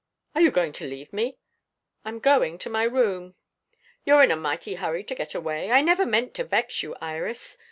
"Are you going to leave me?" "I am going to my room." "You're in a mighty hurry to get away. I never meant to vex you, Iris.